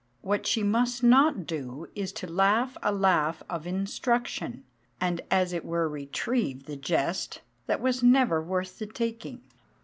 What she must not do is to laugh a laugh of instruction, and as it were retrieve the jest that was never worth the taking.